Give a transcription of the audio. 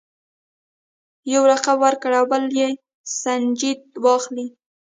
یو لقب ورکړي او بل یې سنجیده واخلي.